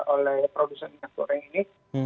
oleh produsen minyak goreng ini